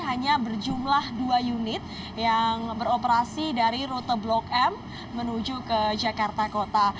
hanya berjumlah dua unit yang beroperasi dari rute blok m menuju ke jakarta kota